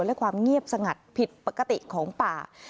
และความเงียบสงัดผิดปกติของป่า